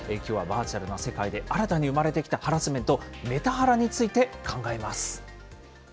きょうはバーチャルの世界で新たに生れてきたハラスメント、メタハラについて考えます。